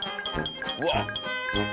うわっ。